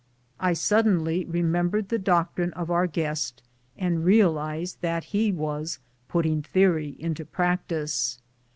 I suddenly remembered the doc trine of our guest, and realized that he was putting the ory into practice.